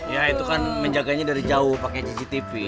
ya itu kan menjaganya dari jauh pakai cctv